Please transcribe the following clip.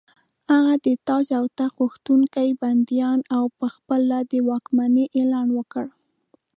هغه د تاج او تخت غوښتونکي بندیان او په خپله د واکمنۍ اعلان وکړ.